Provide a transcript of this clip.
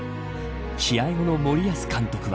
試合後の森保監督は。